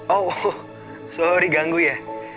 oh sorry ganggu ya